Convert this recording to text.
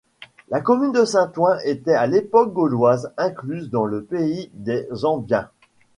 La commune de Saint-Ouen était à l'époque gauloise incluse dans le pays des Ambiens.